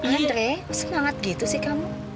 antre semangat gitu sih kamu